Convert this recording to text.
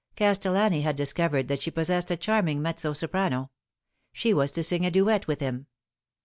Castellani had discovered that she possessed a charming mezzo soprano. She was to sing a duet with him.